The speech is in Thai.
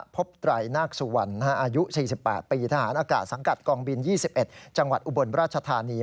ไตรนาคสุวรรณอายุ๔๘ปีทหารอากาศสังกัดกองบิน๒๑จังหวัดอุบลราชธานี